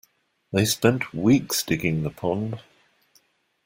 They spent weeks digging the pond.